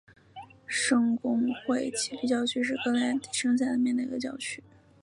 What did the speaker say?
圣公会诺里奇教区是英格兰教会坎特伯雷教省下面的一个教区。